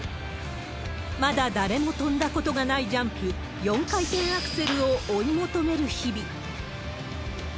まだ誰も跳んだことがないジャンプ、４回転アクセルを追い求める日々。